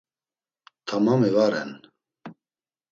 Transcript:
Tamami va ren.